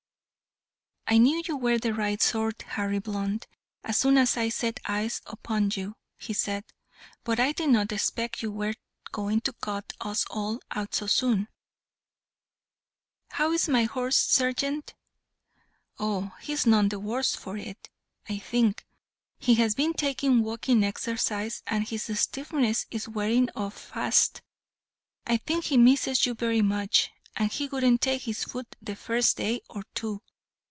"I knew you were the right sort, Harry Blunt, as soon as I set eyes upon you," he said; "but I did not expect you were going to cut us all out so soon." "How is my horse, sergeant?" "Oh, he's none the worse for it, I think. He has been taking walking exercise, and his stiffness is wearing off fast. I think he misses you very much, and he wouldn't take his food the first day or two.